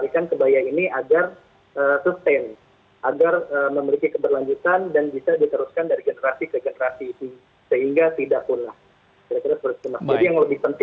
agar memiliki keberlanjutan dan bisa diteruskan dari generasi ke generasi ini